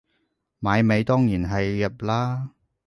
買米當然係入喇